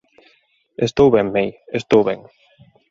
Estou ben, May, estou ben.